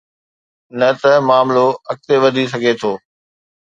نه ته معاملو اڳتي وڌي سگهي ٿو.